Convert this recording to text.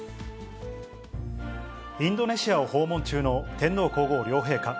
インドネシアを訪問中の天皇皇后両陛下。